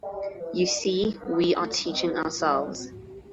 You see, we were teaching ourselves.